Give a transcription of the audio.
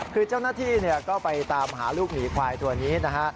คือเจ้าหน้าที่ก็ไปตามหาลูกหมีควายตัวนี้นะฮะ